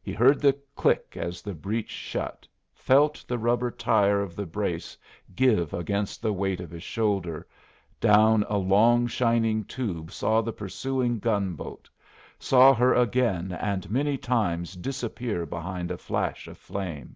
He heard the click as the breech shut, felt the rubber tire of the brace give against the weight of his shoulder, down a long shining tube saw the pursuing gun boat, saw her again and many times disappear behind a flash of flame.